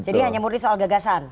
jadi hanya murni soal gagasan